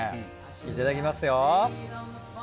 いただきますよ。